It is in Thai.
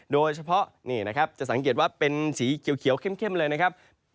โดยเฉพาะนี่นะครับจะสังเกตว่าเป็นสีเขียวเข้มเลยนะครับ